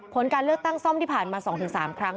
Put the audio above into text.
ผลการเลือกตั้งซ่อมที่ผ่านมา๒๓ครั้ง